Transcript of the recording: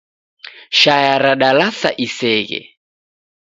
Shaya radalasa iseghe